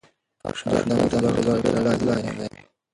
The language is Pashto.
شاه شجاع د انګریزانو تر اغیز لاندې دی.